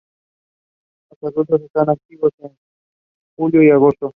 Los adultos están activos en julio y agosto.